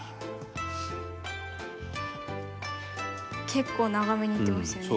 結構長めにいってますよね。